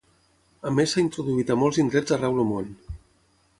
A més s'ha introduït a molts indrets arreu el món.